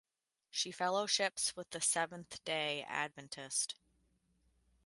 She fellowships with the Seventh Day Adventist.